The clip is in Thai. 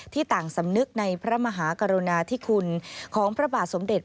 ต่างสำนึกในพระมหากรุณาธิคุณของพระบาทสมเด็จ